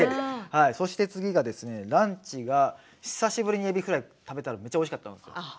そして次が、ランチで久しぶりにエビフライを食べたらめっちゃおいしかったんですよ。